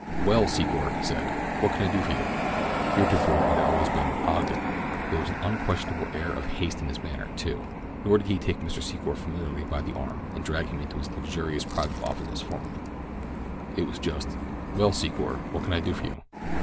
"Well, Secor," he said, "what can I do for you?" Heretofore it had always been "Ogden." There was an unquestionable air of haste in his manner, too; nor did he take Mr. Secor familiarly by the arm and drag him into his luxurious private office as formerly. It was just: "Well, Secor, what can I do for you?"